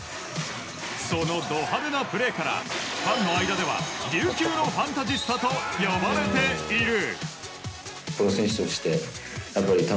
そのド派手なプレーからファンの間では琉球のファンタジスタと呼ばれている。